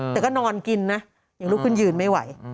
แต่ก็นอนกินนะยังลุกขึ้นยืนไม่ไหว